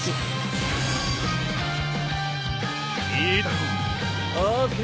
いいだろう。ＯＫ